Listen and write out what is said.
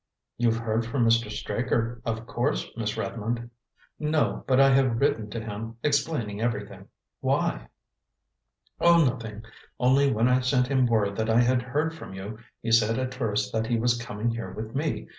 "You've heard from Mr. Straker, of course, Miss Redmond?" "No, but I have written to him, explaining everything. Why?" "Oh, nothing; only when I sent him word that I had heard from you, he said at first that he was coming here with me.